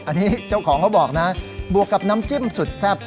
อันนี้เจ้าของเขาบอกนะบวกกับน้ำจิ้มสุดแซ่บ